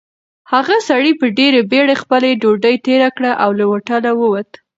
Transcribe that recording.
هغه سړي په ډېرې بېړۍ خپله ډوډۍ تېره کړه او له هوټله ووت.